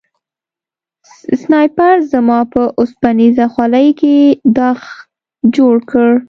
سنایپر زما په اوسپنیزه خولۍ کې داغ جوړ کړ